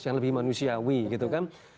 yang lebih manusiawi gitu kan